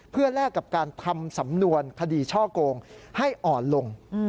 เพื่อแลกกับการทำสำนวนคดีช่อโกงให้อ่อนลง